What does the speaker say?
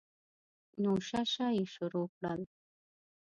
نو شه شه یې شروع کړل.